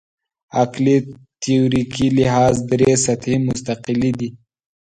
عقلي تیوریکي لحاظ درې سطحې مستقلې دي.